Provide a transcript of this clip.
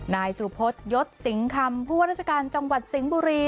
นายสูพสยศสิงครรมผัวรัฐการณ์จังหวัดสิงห์บุรี